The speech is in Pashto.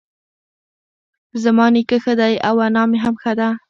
زما نيکه ښه دی اؤ انا مي هم ښۀ دۀ